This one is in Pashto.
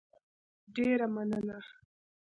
ډېره مننه